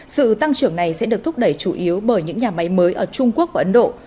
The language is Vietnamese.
sự tăng trưởng này sẽ được thúc đẩy chủ yếu bởi những nhà máy mới ở trung quốc và ấn độ